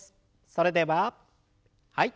それでははい。